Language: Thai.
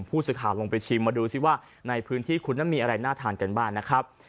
ผู้สื่อข่าวลงไปชิมมาดูซิว่าในพื้นที่คุณนั้นมีอะไรน่าทานกันบ้างนะครับ